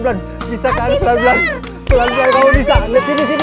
pelan pelan kalau bisa